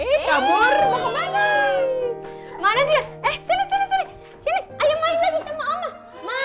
eh kabur mau kemana